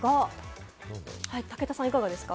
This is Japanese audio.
武田さん、いかがですか？